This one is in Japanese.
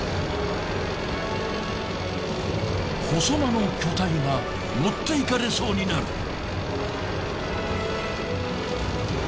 細間の巨体が持っていかれそうになる。